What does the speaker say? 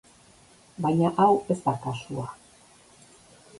Baina hau ez da kasua.